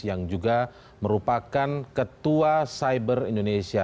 yang juga merupakan ketua cyber indonesia